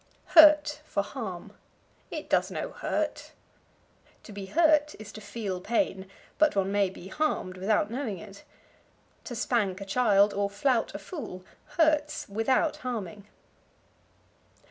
Hurt for Harm. "It does no hurt." To be hurt is to feel pain, but one may be harmed without knowing it. To spank a child, or flout a fool, hurts without harming.